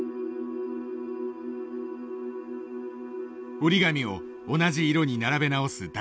折り紙を同じ色に並べ直す大作さん。